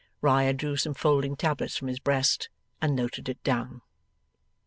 Riah drew some folding tablets from his breast and noted it down.